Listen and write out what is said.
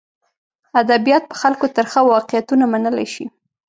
ادبیات په خلکو ترخه واقعیتونه منلی شي.